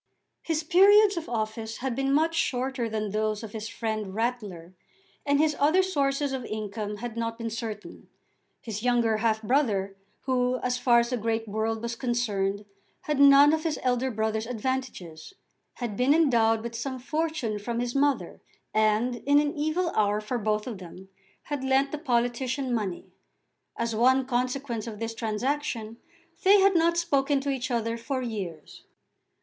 His periods of office had been much shorter than those of his friend Rattler, and his other sources of income had not been certain. His younger half brother, who, as far as the great world was concerned, had none of his elder brother's advantages, had been endowed with some fortune from his mother, and, in an evil hour for both of them, had lent the politician money. As one consequence of this transaction, they had not spoken to each other for years.